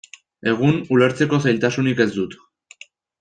Egun, ulertzeko zailtasunik ez dut.